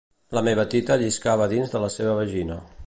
La meva tita lliscava a dins de la seva vagina.